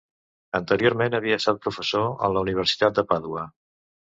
Anteriorment havia estat professor en la Universitat de Pàdua.